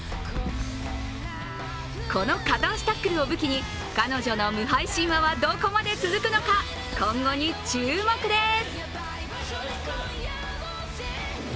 この片足タックルを武器に彼女の無敗神話はどこまで続くのか、今後に注目です。